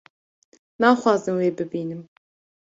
naxwazim wê bibînim